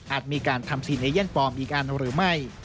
มีการทำซีเน่นปลอมอีกอันหรือไม่